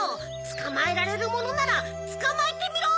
つかまえられるものならつかまえてみろ！